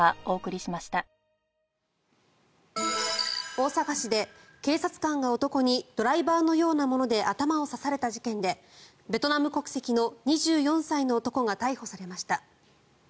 大阪市で警察官が男にドライバーのようなもので頭を刺された事件でベトナム国籍の２４歳の男が逮捕されました。